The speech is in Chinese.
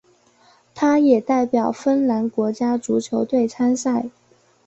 他也代表芬兰国家足球队参赛。